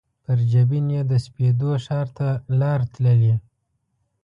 پر جبین یې د سپېدو ښار ته لار تللي